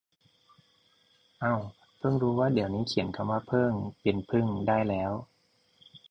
เอ้าเพิ่งรู้ว่าเดี๋ยวนี้เขียนคำว่าเพิ่งเป็นพึ่งได้แล้ว